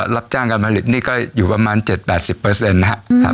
รับจ้างการผลิตนี่ก็อยู่ประมาณ๗๘๐นะครับ